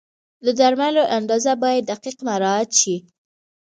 د درملو اندازه باید دقیق مراعت شي.